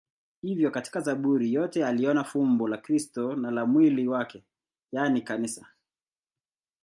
Hivyo katika Zaburi zote aliona fumbo la Kristo na la mwili wake, yaani Kanisa.